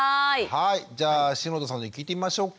はいじゃあ篠田さんに聞いてみましょっか。